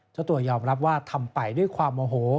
เจ้าตัวยอมรับว่าทำไปด้วยความโมโห